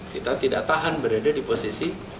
kita tidak tahan berada di posisi